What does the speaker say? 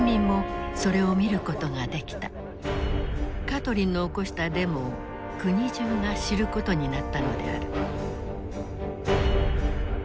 カトリンの起こしたデモを国中が知ることになったのである。